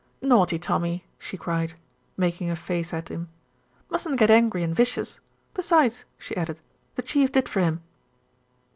"Naughty Tommy," she cried, making a face at them, "Mustn't get angry and vicious. Besides," she added, "the Chief did for him."